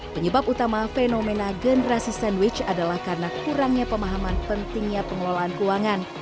penyebab utama fenomena generasi sandwich adalah karena kurangnya pemahaman pentingnya pengelolaan keuangan